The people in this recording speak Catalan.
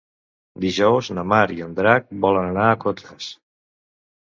Dijous na Mar i en Drac volen anar a Cotes.